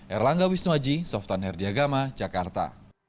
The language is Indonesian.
erlangga wisnuaji softan herdiagama jakarta